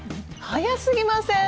速すぎません？